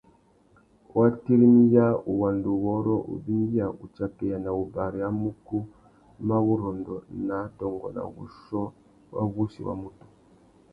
Wa tirimiya wuwanduwôrrô, wubindiya, wutsakeya na wubari râ mukú mà wurrôndô nà adôngô nà wuchiô wa wussi wa MUTU.